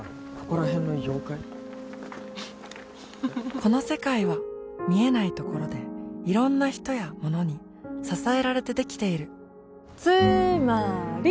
この世界は見えないところでいろんな人やものに支えられてできているつーまーり！